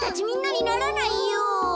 みんなにならないよ。